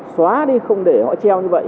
xóa đi không để họ treo như vậy